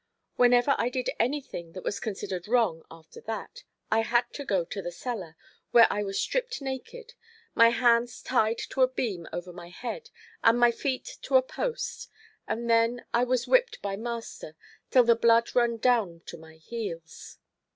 Whenever I did anything that was considered wrong after that I had to go to the cellar, where I was stripped naked, my hands tied to a beam over head, and my feet to a post, and then I was whipped by master till the blood ran down to my heels.